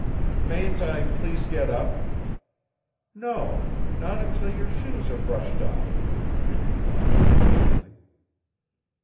"Mayn't I please get up?" "No. Not until your shoes are brushed off," she replied provokingly.